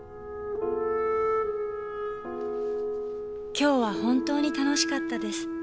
「今日は本当に楽しかったです」